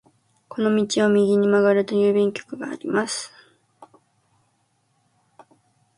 この道を右に曲がると郵便局があります。